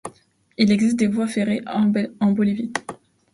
Il existe de voies ferrées en Bolivie.